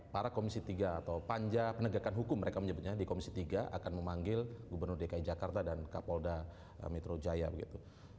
para komisi tiga atau panja penegakan hukum mereka menyebutnya di komisi tiga akan memanggil gubernur dki jakarta dan kapolda metro jaya begitu